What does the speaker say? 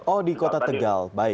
oh di kota tegal